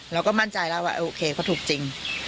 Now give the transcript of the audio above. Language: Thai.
เราก็มั่นใจแล้วว่าโอเคเขาถูกจริง